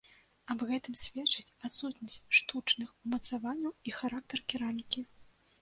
Аб гэтым сведчаць адсутнасць штучных умацаванняў і характар керамікі.